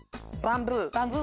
バンブー？